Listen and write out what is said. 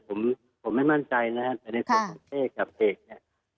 ผมผมไม่มั่นใจนะครับแต่ในส่วนของเป้กับเอกเนี่ย